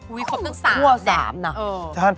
อุ๊ยเขาตั้ง๓แล้วแน่ะค่ะอะเออจริง